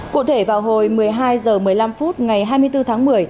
cụ thể vào hồi một mươi hai h một mươi năm phút ngày hai mươi bốn tháng một mươi